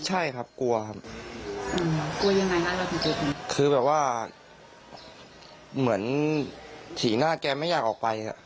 ใช่ครับกลัวครับกลัวยังไงแล้วพี่ติ๊กคือแบบว่าเหมือนสีหน้าแกไม่อยากออกไปอ่ะ